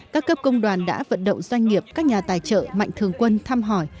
các cấp công đoàn đã vận động doanh nghiệp các nhà tài trợ mạnh thường quân thăm hỏi